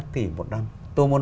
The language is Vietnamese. bốn mươi ba tỷ một năm tôi muốn